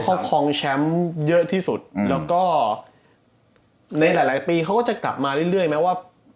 เขาคลองแชมป์เยอะที่สุดแล้วก็ในหลายปีเขาก็จะกลับมาเรื่อยแม้ว่า